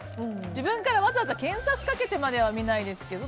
自分からわざわざ検索をかけてまでは見ないですけど。